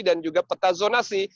dan juga petazonasi